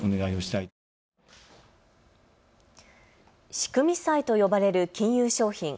仕組み債と呼ばれる金融商品。